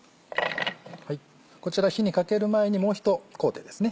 こちら火にかける前にもう一工程ですね。